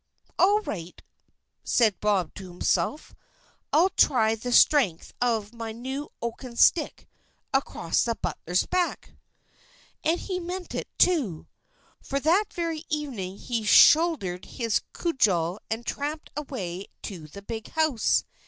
"All right," said Bob to himself, "I'll try the strength of my new oaken stick across that butler's back." And he meant it, too, for that very evening he shouldered his cudgel and tramped away to the big house.